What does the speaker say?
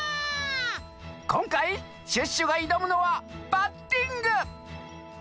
こんかいシュッシュがいどむのはバッティング！